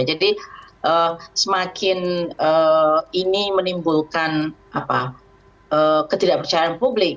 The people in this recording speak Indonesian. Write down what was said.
jadi semakin ini menimbulkan ketidakpercayaan publik